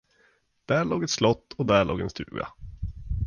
Där låg ett slott, och där låg en stuga.